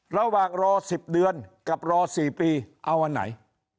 ระหว่างรอ๑๐เดือนกับรอ๔ปีเอาอันไหน